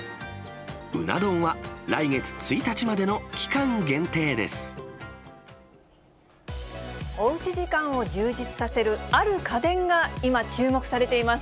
馬茄丼は、来月１日までの期おうち時間を充実させるある家電が今、注目されています。